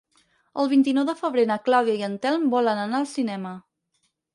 El vint-i-nou de febrer na Clàudia i en Telm volen anar al cinema.